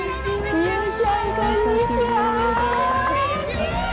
美穂ちゃんこんにちは。